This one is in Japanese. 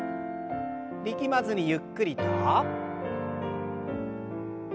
力まずにゆっくりと。